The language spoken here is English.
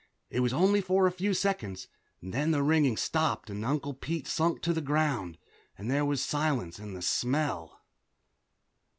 It was only for a few seconds. Then the ringing stopped, and Uncle Pete sunk to the ground, and there was the silence and the smell.